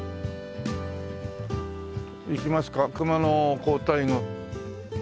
行きますか熊野皇大。